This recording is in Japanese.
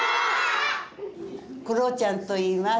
クロちゃんといいます。